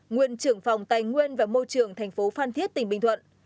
nguyên trưởng phòng tài nguyên và môi trường thành phố phan thiết tỉnh bình thuận